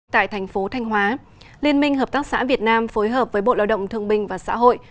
tại thành phố thanh hóa liên minh hợp tác xã việt nam phối hợp với bộ lao động thương bình và xã hội